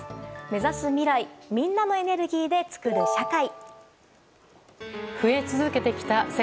目指す未来みんなのエネルギーで創る社会。